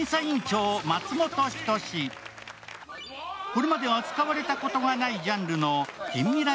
これまで扱われたことがないジャンルの近未来